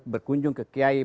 berkunjung ke kiai